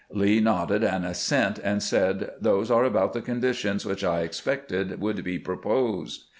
Lee nodded an assent, and said: "Those are about the conditions which I expected would be proposed."